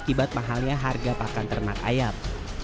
akibat mahalnya harga pakan ternak ayam